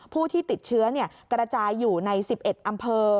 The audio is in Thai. ผู้ที่ติดเชื้อกระจายอยู่ใน๑๑อำเภอ